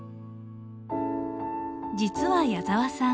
実は矢澤さん